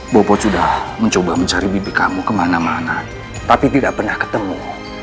bopo sudah mencoba mencari bibi kamu kemana mana tapi tidak pernah ketemu